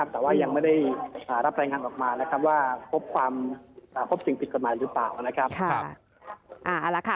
แต่ยังไม่ได้รับแรงงานออกมาว่าครบสิ่งปิดกฎหมายหรือเปล่า